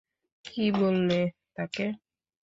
কী বললে তাকে?